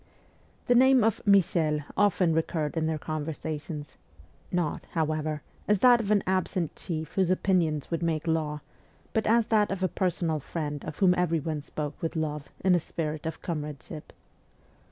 The name of ' Michel ' often recurred in their conver sations not, however, as that of an absent chief whose opinions would make law, but as that of a personal friend of whom everyone spoke with love, in a spirit of comradeship.